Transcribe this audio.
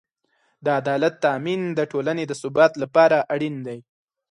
د عدالت تأمین د ټولنې د ثبات لپاره اړین دی.